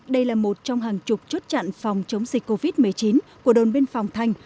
đây là một trong hàng chục chốt chặn phòng chống dịch covid một mươi chín của đồn biên phòng thành